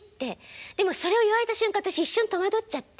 でもそれを言われた瞬間私一瞬戸惑っちゃって。